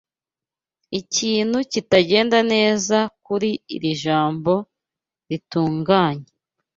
Ikintu kitagenda neza kuri iri jambo ritunganya.